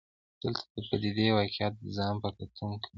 دلته د پدیدې واقعیت ځان په کتونکو مني.